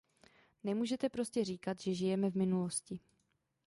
Nemůžete prostě říkat, že žijeme v minulosti.